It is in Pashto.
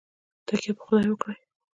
تککیه په خدای وکړئ